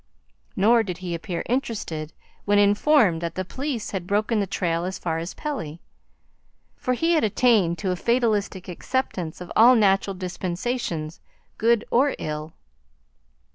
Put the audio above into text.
Nor did he appear interested when informed that the police had broken the trail as far as Pelly; for he had attained to a fatalistic acceptance of all natural dispensations, good or ill.